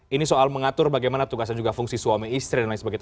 ini soal mengatur bagaimana tugas dan juga fungsi suami istri dan lain sebagainya